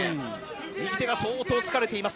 右手が相当疲れています。